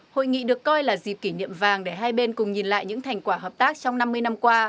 hội nghị được coi là dịp kỷ niệm vàng để hai bên cùng nhìn lại những thành quả hợp tác trong năm mươi năm qua